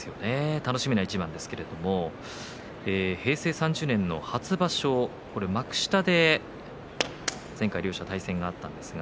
楽しみな一番ですけども平成３０年の初場所幕下で両者、対戦がありました。